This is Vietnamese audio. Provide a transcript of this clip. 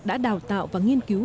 đã đào tạo và nghiên cứu